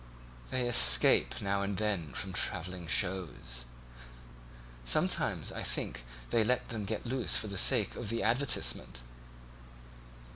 "They escape now and then from travelling shows. Sometimes I think they let them get loose for the sake of the advertisement.